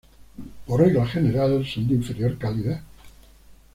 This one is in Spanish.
Por regla general son de inferior calidad.